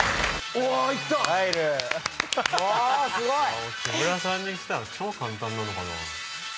おすごい！木村さんにしたら超簡単なのかな。